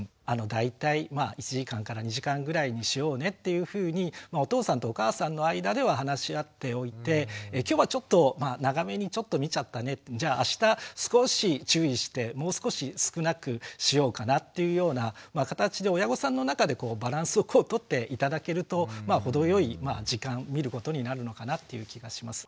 大体１時間から２時間ぐらいにしようねっていうふうにお父さんとお母さんの間では話し合っておいて今日はちょっと長めにちょっと見ちゃったねじゃああした少し注意してもう少し少なくしようかなっていうような形で親御さんの中でバランスを取って頂けると程良い時間見ることになるのかなっていう気がします。